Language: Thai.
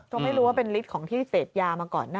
ต้องให้รู้ว่าเป็นฤทธิ์ของที่เศษยามาก่อนน่ะ